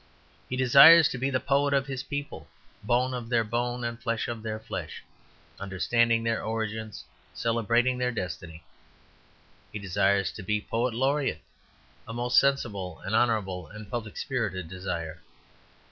He desires to be the poet of his people, bone of their bone, and flesh of their flesh, understanding their origins, celebrating their destiny. He desires to be Poet Laureate, a most sensible and honourable and public spirited desire.